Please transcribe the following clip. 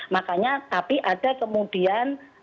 makanya tapi ada kemudian